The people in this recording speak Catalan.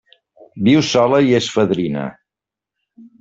Viu sola i és fadrina.